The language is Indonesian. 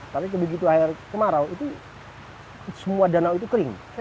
tapi begitu air kemarau itu semua danau itu kering